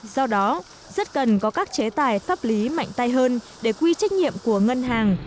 do đó rất cần có các chế tài pháp lý mạnh tay hơn để quy trách nhiệm của ngân hàng